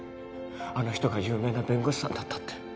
あの人が有名な弁護士さんだったって。